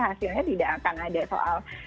hasilnya tidak akan ada soal